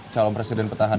calon presiden petahana